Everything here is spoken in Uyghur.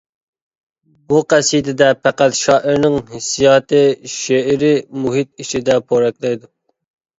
بۇ قەسىدىدە پەقەت شائىرنىڭ ھېسسىياتى شېئىرىي مۇھىت ئىچىدە پورەكلەيدۇ.